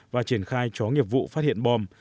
và triển khai chó nghiệp vụ phát hiện bom